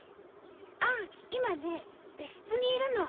ああ今ね別室にいるの。